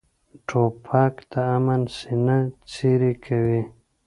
توپک د امن سینه څیرې کوي.